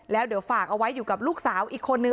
แล้วเดี๋ยวฝากเอาไว้อยู่กับลูกสาวอีกคนนึง